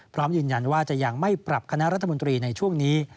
พร้อมยืนยันว่าจะยังไม่ปรับคณะรัฐมนตรีในช่วงนี้